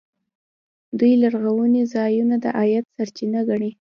دوی لرغوني ځایونه د عاید سرچینه ګڼي.